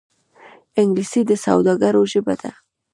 انګلیسي د سوداګرو ژبه ده